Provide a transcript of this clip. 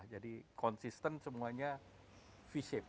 jadi konsisten semuanya v shape